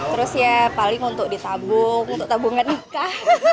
terus ya paling untuk ditabung untuk tabungan nikah